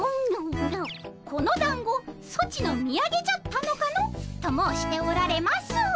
「このだんごソチのみやげじゃったのかの？」と申しておられます。